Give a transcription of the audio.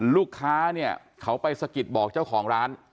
ลูกค้าเนี่ยเขาไปสะกิดบอกเจ้าของร้าน